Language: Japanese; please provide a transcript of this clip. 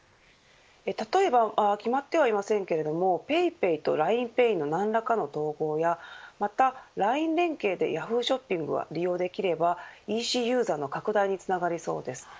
例えば決まってはいませんけれどもＰａｙＰａｙとＬＩＮＥＰａｙの何らかの統合やまた、ＬＩＮＥ連携でＹａｈｏｏ！ショッピングが利用できればＥＣユーザーの拡大につながりそうです。